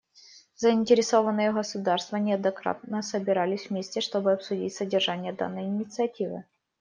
Заинтересованные государства неоднократно собирались вместе чтобы обсудить содержание данной инициативы.